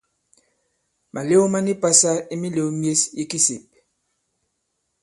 Màlew ma ni pasa i mīlēw myes i kisèp.